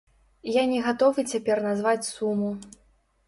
Я не гатовы цяпер назваць суму.